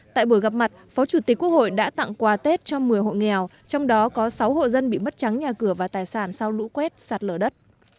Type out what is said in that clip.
tại buổi gặp mặt phó chủ tịch quốc hội đã tặng quà tết cho một mươi hộ nghèo trong đó có sáu hộ dân bị mất trắng nhà cửa và tài sản sau lũ quét sạt lở đất